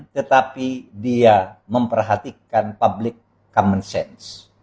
tetapi dia memperhatikan public common sense